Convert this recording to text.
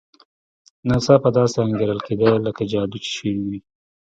ناڅاپه داسې انګېرل کېده لکه جادو چې شوی وي.